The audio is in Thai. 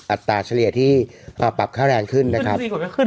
อัตราเฉลี่ยที่ปรับค่าแรงขึ้นนะครับ